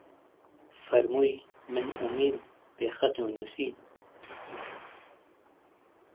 فەرمووی: من ئوممیم بێ خەت و نووسین